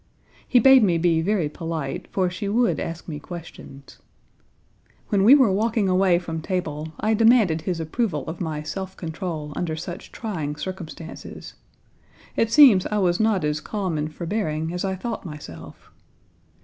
He bade me be very polite, for she would ask me questions. When we were walking away Page 78 from table, I demanded his approval of my self control under such trying circumstances. It seems I was not as calm and forbearing as I thought myself.